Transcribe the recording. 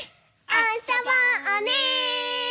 あそぼうね！